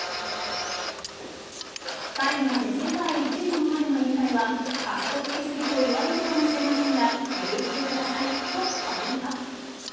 最後まで世界１位のままでの引退はカッコつけすぎと言われるかもしれませんが許してくださいとコメント。